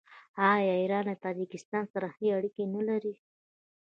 آیا ایران له تاجکستان سره ښې اړیکې نلري؟